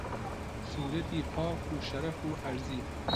سوورەتی پاک و شەرەف و عەرزی